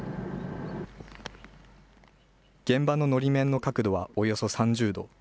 現場ののり面の角度はおよそ３０度。